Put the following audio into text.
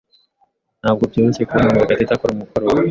Ntabwo byoroshye kubona Murekatete akora umukoro we.